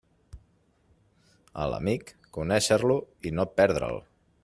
A l'amic, conéixer-lo i no perdre'l.